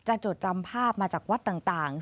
จดจำภาพมาจากวัดต่าง